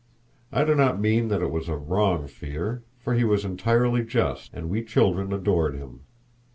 I do not mean that it was a wrong fear, for he was entirely just, and we children adored him.